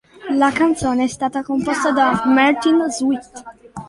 La canzone è stata composta da Martin Sweet.